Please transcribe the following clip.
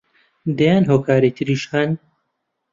دەیان هۆکاری تریش هەن